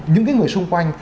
những cái người xung quanh